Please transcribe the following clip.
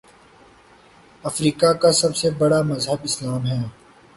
افریقہ کا سب سے بڑا مذہب اسلام ہے